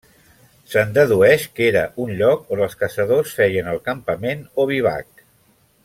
Se'n dedueix que era un lloc on els caçadors feien el campament o bivac.